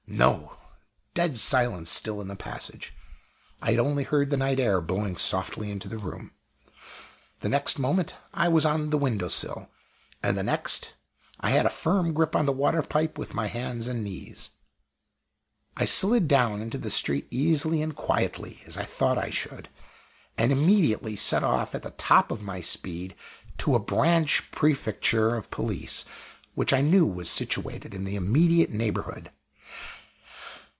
No! dead silence still in the passage I had only heard the night air blowing softly into the room. The next moment I was on the window sill and the next I had a firm grip on the water pipe with my hands and knees. I slid down into the street easily and quietly, as I thought I should, and immediately set off at the top of my speed to a branch "Prefecture" of Police, which I knew was situated in the immediate neighborhood.